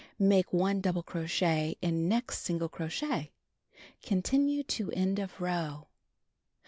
Make 1 double crochet in next single crochet. Continue to end of row.